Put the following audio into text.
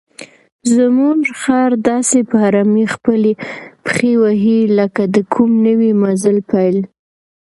زموږ خر داسې په آرامۍ خپلې پښې وهي لکه د کوم نوي مزل پیل.